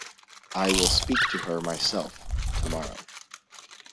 I will speak to her myself tomorrow.